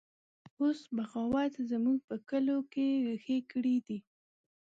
اوس بغاوت زموږ په کلو کې ریښې کړي دی